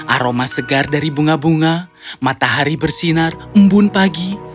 aroma segar dari bunga bunga matahari bersinar embun pagi